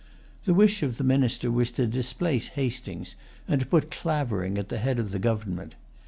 The wish of the Minister was to displace Hastings, and to put Clavering at the head of the government.